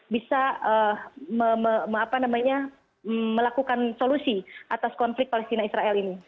bisa melakukan solusi atas konflik palestina israel ini